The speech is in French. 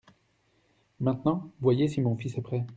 Maintenant, voyez si mon fils est prêt ?